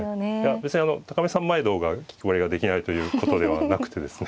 別に見三枚堂が気配りができないということではなくてですね。